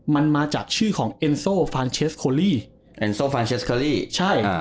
มันมาจากชื่อของเอ็นโซฟานเชสโคลี่เอ็นโซฟานเชสเคอรี่ใช่อ่า